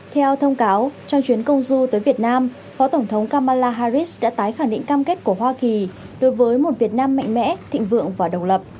theo thông cáo trong chuyến công du tới việt nam phó tổng thống kamala harris đã tái khẳng định cam kết của hoa kỳ đối với một việt nam mạnh mẽ thịnh vượng và độc lập